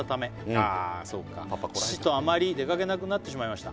ああそうか「父とあまり出かけなくなってしまいました」